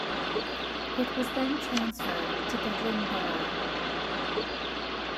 It was then transferred to Gedling Borough.